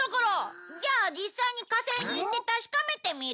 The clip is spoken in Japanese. じゃあ実際に火星に行って確かめてみる？